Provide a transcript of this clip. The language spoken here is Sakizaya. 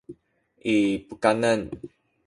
i pukanan